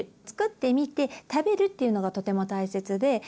作ってみて食べるっていうのがとても大切で。